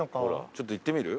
ちょっと行ってみる？